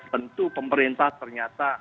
tentu pemerintah ternyata